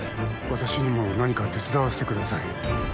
私にも何か手伝わせてください。